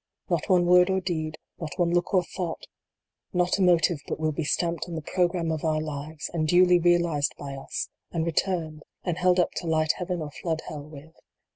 Not one word or deed Not one look or thought Not a motive but will be stamped on the programme of our lives, and duly realized by us, and returned, and held up to light heaven or flood hell with.